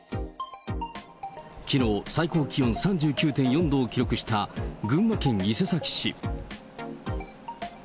きのう、最高気温３９．４度を記録した群馬県伊勢崎市。